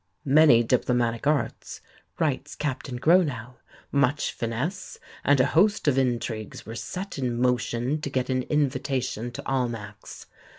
"Many diplomatic arts," writes Captain Gronow, "much finesse, and a host of intrigues were set in motion to get an invitation to Almack's.